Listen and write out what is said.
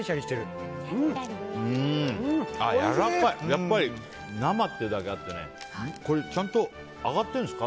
やっぱり生ってだけあってちゃんと揚がってるんですか？